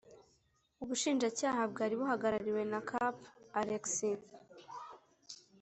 Ubushinjacyaha bwari buhagarariwe na Capt alexis